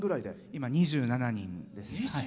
今、２７人です。